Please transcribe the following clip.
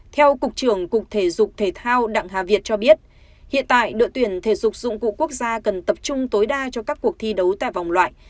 theo cục trưởng cục thể dục thể thao đặng hà việt cho biết hiện tại đội tuyển thể dục dụng cụ quốc gia cần tập trung tối đa cho các cuộc thi đấu tại vòng loại